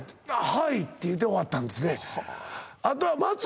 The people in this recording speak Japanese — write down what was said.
「はい」って言うて終わったんですね